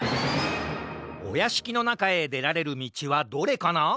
おやしきのなかへでられるみちはどれかな？